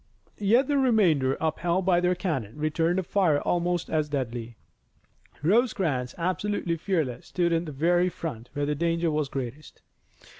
Yet the remainder, upheld by their cannon, returned a fire almost as deadly. Rosecrans, absolutely fearless, stood in the very front where the danger was greatest.